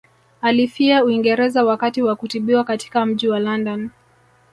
Alifia Uingereza wakati wa kutibiwa katika mji wa London